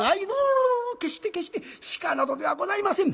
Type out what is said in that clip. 「う決して決して鹿などではございませぬ」。